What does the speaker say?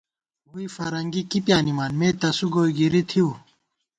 ووئی فرنگی کی پیانِمان مےتسُو گوئی گِری تھِؤ